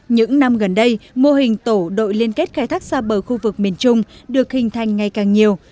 những năm gần đây mô hình tổ đội liên kết khai thác xa bờ khu vực miền trung được hình thành ngày càng nhiều